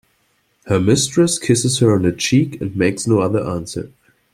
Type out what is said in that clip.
Her mistress kisses her on the cheek and makes no other answer.